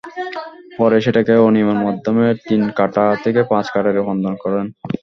পরে সেটাকে অনিয়মের মাধ্যমে তিন কাঠা থেকে পাঁচ কাঠায় রূপান্তর করেন।